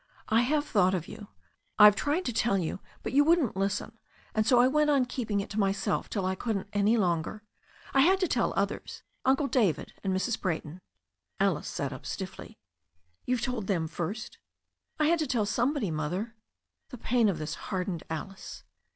I have thought of you. I've tried to tell you, but you wouldn't listen, and so I went on keeping it to myself till I couldn't any longer. I had to tell others — ^Uncle David and Mrs. Brayton." Alice sat up stiffly. "You've told them first !" "I had to tell somebody. Mother." The pain of this hardened Alice.